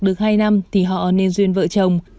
được hai năm thì họ nên duyên vợ chồng